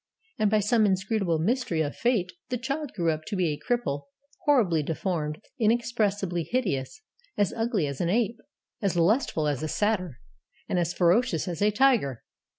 And, by some inscrutable mystery of fate, the child grew up to be a cripple, horribly deformed, inexpressibly hideous, as ugly as an ape, as lustful as a satyr, and as ferocious as a tiger!